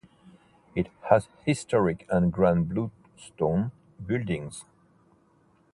It has historic and grand bluestone buildings.